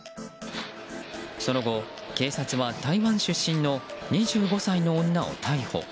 その後、警察は台湾出身の２５歳の女を逮捕。